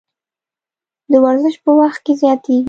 د ورزش په وخت کې زیاتیږي.